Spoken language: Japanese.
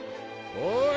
おい！